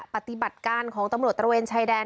ปฏิบัติการของตำรวจตระเวนชายแดน